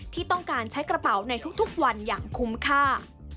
ที่ต้องการใช้กระเป๋าในทุกวันอย่างคุ้มค่า